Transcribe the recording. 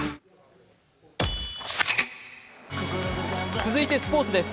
続いてスポーツです。